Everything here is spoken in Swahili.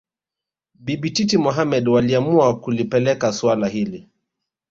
Bibi Titi Mohamed waliamua kulipeleka suala hili